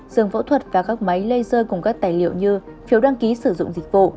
giường phẫu thuật và các máy laser cùng các tài liệu như phiếu đăng ký sử dụng dịch vụ